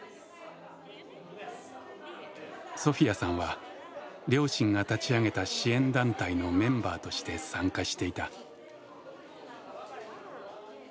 ソフィヤさんは両親が立ち上げた支援団体のメンバーとして参加していた。